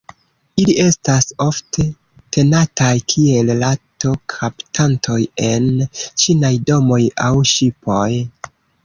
Ili estas ofte tenataj kiel rato-kaptantoj en ĉinaj domoj aŭ ŝipoj.